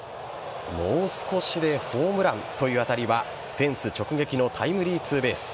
もう少しでホームランという当たりはフェンス直撃のタイムリーツーベース。